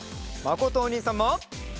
まことおにいさんも！